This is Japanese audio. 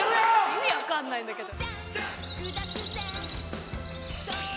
意味わかんないんだけど。